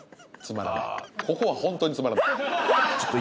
ここはホントにつまらない。